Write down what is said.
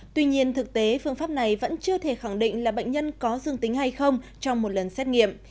tuy nhiên thực tế phương pháp này vẫn chưa thể khẳng định là bệnh nhân có dương tính hay không trong một lần xét nghiệm